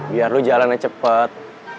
biar lo jalannya cepet